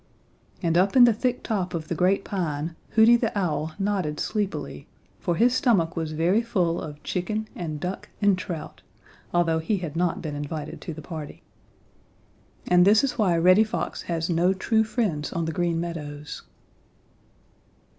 And up in the thick top of the great pine Hooty the Owl nodded sleepily, for his stomach was very full of chicken and duck and trout, although he had not been invited to the party. And this is why Reddy Fox has no true friends on the Green Meadows.